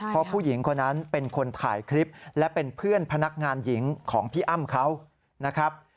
เพราะผู้หญิงคนนั้นเป็นคนถ่ายคลิปและเป็นเพื่อนพนักงานหญิงของพี่อ้ำเขานะครับ